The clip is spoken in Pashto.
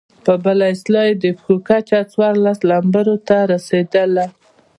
په بله اصطلاح يې د پښو کچه څوارلس نمبرو ته رسېدله.